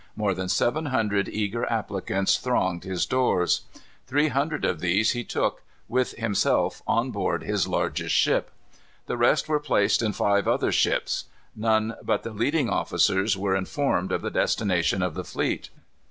More than seven hundred eager applicants thronged his doors. Three hundred of these he took, with himself, on board his largest ship. The rest were placed in five other ships. None but the leading officers were informed of the destination of the fleet.